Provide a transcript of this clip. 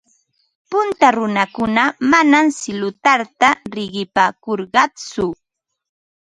Punta runakuna manam silularta riqipaakurqatsu.